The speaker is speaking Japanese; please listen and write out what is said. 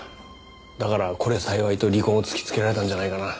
だからこれ幸いと離婚を突きつけられたんじゃないかな。